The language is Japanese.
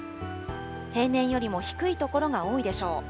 平年よりも低い所が多いでしょう。